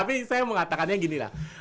tapi saya mau katakannya gini lah